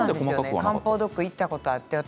漢方ドックに行ったことがあります。